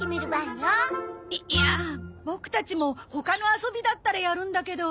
いいやボクたちも他の遊びだったらやるんだけど。